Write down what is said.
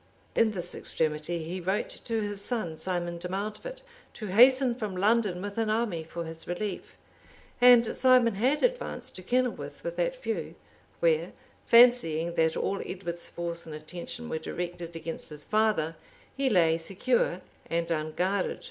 In this extremity he wrote to his son, Simon de Mountfort, to hasten from London with an army for his relief; and Simon had advanced to Kenilworth with that view, where, fancying that all Edward's force and attention were directed against his father, he lay secure and unguarded.